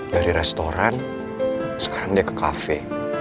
dari restoran sekarang dia ke cafe